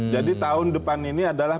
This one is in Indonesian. jadi tahun depan ini adalah